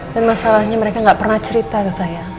dan masalahnya mereka gak pernah cerita ke saya